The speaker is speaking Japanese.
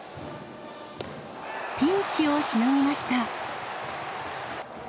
ピンチをしのぎました。